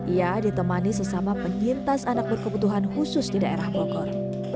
ia ditemani sesama penyintas anak berkebutuhan khusus di daerah bogor